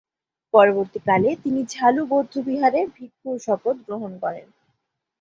পরবর্তীকালে তিনি ঝ্বা-লু বৌদ্ধবিহারে ভিক্ষুর শপথ গ্রহণ করেন।